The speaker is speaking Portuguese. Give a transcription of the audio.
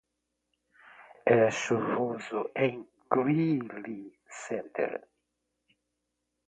É chuvoso em Greely Center?